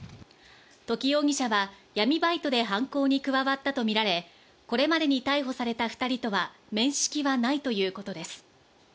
土岐容疑者は闇バイトで犯行に加わったとみられ、これまでに逮捕された２人とは面識はないということです。